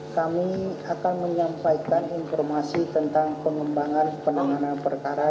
kami akan menyampaikan informasi tentang pengembangan penanganan perkara